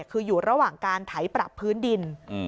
คืออยู่ระหว่างการไถปรับพื้นดิน